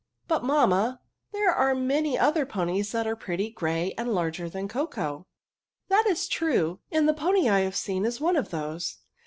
^^ But, mamma, there are many oth^^ panies that are pretty, and grey, and larger thaa Coco." '*' That is true, and the pony I have seen is one of those.